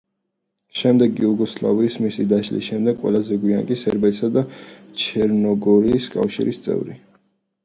შემდეგ იუგოსლავიის, მისი დაშლის შემდეგ, ყველაზე გვიან კი სერბეთისა და ჩერნოგორიის კავშირის წევრი.